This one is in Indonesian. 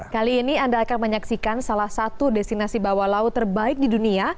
kali ini anda akan menyaksikan salah satu destinasi bawah laut terbaik di dunia